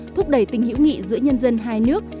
thúc đẩy tình hữu nghị giữa nhân dân hai nước